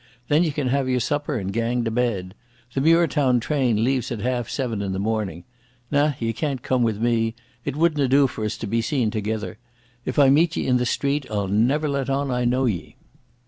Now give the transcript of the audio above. Then ye can have your supper and gang to bed. The Muirtown train leaves at half seven in the morning.... Na, ye can't come with me. It wouldna do for us to be seen thegither. If I meet ye in the street I'll never let on I know ye."